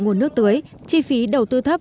nguồn nước tưới chi phí đầu tư thấp